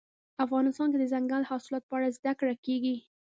افغانستان کې د دځنګل حاصلات په اړه زده کړه کېږي.